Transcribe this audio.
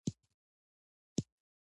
ایا تاسو لمونځ کوئ؟